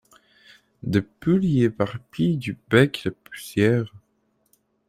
Des poules y éparpillent du bec la poussière.